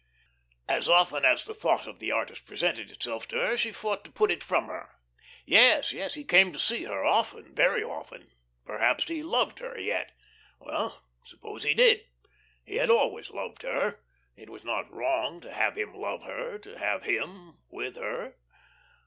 As often as the thought of the artist presented itself to her she fought to put it from her. Yes, yes, he came to see her often, very often. Perhaps he loved her yet. Well, suppose he did? He had always loved her. It was not wrong to have him love her, to have him with her.